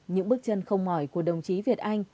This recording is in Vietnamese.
những bước chân không mỏi của đồng chí việt anh